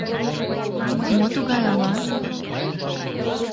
— Мо тугай ала?..